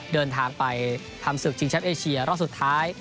เดินทางไปทำศึกชิงแชมป์เอเชียรอบสุดท้าย